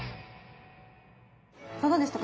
いかがでしたか？